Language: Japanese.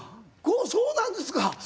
そうなんですか！